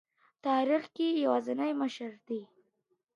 تاریخ کي یوازینی مشر دی ,